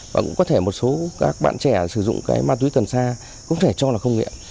và cũng có thể một số các bạn trẻ sử dụng ma túy tần xa cũng có thể cho là không nghiện